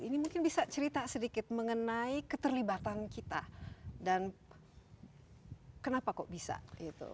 ini mungkin bisa cerita sedikit mengenai keterlibatan kita dan kenapa kok bisa itu